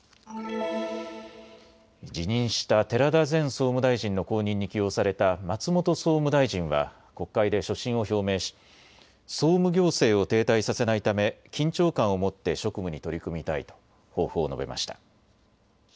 辞任した寺田前総務大臣の後任に起用された松本総務大臣は国会で所信を表明し総務行政を停滞させないため緊張感を持って職務に取り組みたいと抱負を述べました。